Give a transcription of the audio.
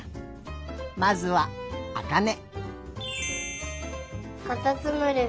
まずはあかね。